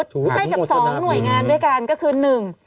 ได้กับ๒หน่วยงานด้วยกันก็คือ